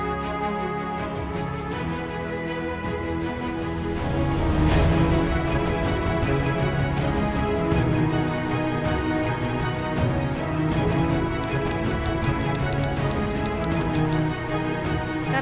di tengah tahap scandalenya merupakan aliilenya tundok dan sebagian dari bangsa jakarta